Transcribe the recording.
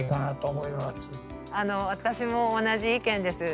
私も同じ意見です。